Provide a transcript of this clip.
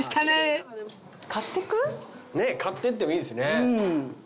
ねっ買ってってもいいですね。